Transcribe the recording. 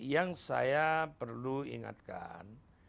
yang saya perlu ingatkan